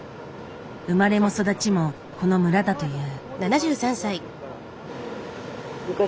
生まれも育ちもこの村だという。